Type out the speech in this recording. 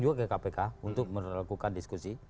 juga ke kpk untuk melakukan diskusi